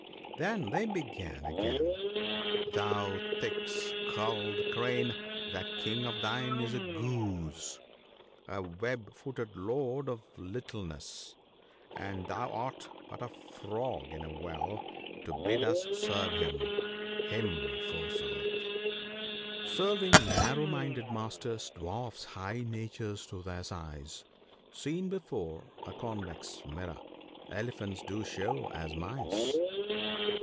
Then they began again :" Thou thick skulled Crane ! that King of thine is a goose — a web footed lord of littleness — and thou art but a frog in a well ( 78 ) to bid us serve him — him forsooth !—" Serving narrow minded masters dwarfs high natures to their size : Seen before a convex mirror, elephants do show as mice."